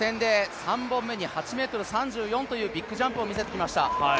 予選で３本目に８ｍ３４というびっぐジャンプを見てきました。